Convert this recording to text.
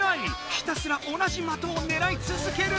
ひたすら同じ的をねらいつづける！